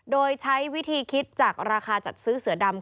โดยใช้วิธีคิดจากราคาจัดซื้อเสือดำ